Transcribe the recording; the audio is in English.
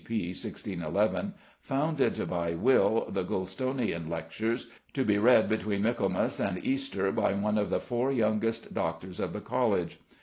C.P. 1611) founded by will the Gulstonian Lectures, to be read "between Michaelmas and Easter by one of the four youngest doctors of the College."